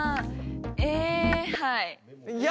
えはい。